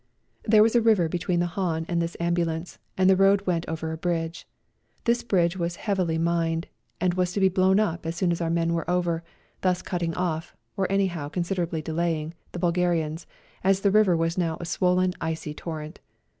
There was a river between the hahn and this ambulance, and the road went over a bridge. This bridge was heavily mined and was to be blown up as soon as our men were over, thus cutting off, or anyhow considerably delaying, the Bul garians, as the river was uow a swollen icy torrent.